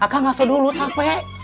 akang ngasuk dulu sampai